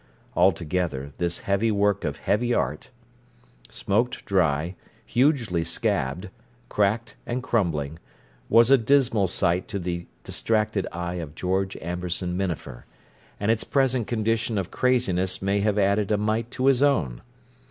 Altogether, this heavy work of heavy art, smoked dry, hugely scabbed, cracked, and crumbling, was a dismal sight to the distracted eye of George Amberson Minafer, and its present condition of craziness may have added a mite to his own.